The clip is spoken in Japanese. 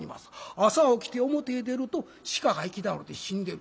朝起きて表へ出ると鹿が行き倒れて死んでる。